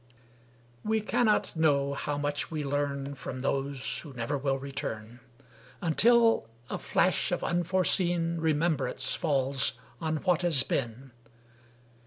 We cannot know how much we learn From those who never will return, Until a flash of unforseen Remembrance falls on what has been.